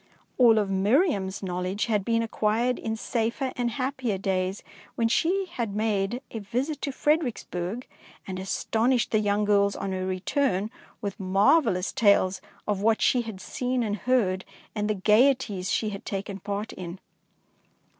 All of Miriam's knowledge had been acquired in safer and hap pier days, when she had made a visit to Fredericksburg, and astonished the young girls on her return with marvel lous tales of what she had seen and heard, and the gaieties she had taken part in.